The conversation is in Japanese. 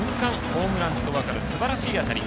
ホームランと分かるすばらしい当たり。